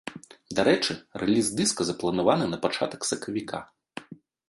Дарэчы, рэліз дыска запланаваны на пачатак сакавіка.